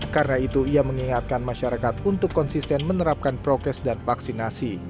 karena itu ia mengingatkan masyarakat untuk konsisten menerapkan prokes dan vaksinasi